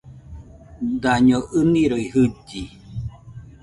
Daño ɨnɨroi jɨlli